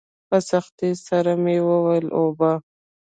په سختۍ سره مې وويل اوبه.